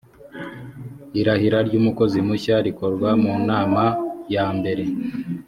irahira ryumukozi mushya rikorwa mu nama ya mbere